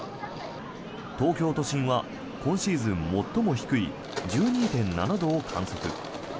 東京都心は今シーズン最も低い１２．７度を観測。